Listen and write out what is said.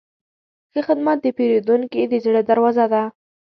ښه خدمت د پیرودونکي د زړه دروازه ده.